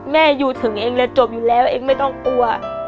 แม่อยู่ถึงเองเลยจบอยู่แล้วเองไม่ต้องกลัว